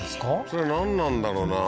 それなんなんだろうな？